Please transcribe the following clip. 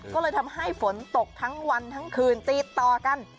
ก็เลยทำให้ฝนตกทั้งวันทั้งคืนติดต่อกัน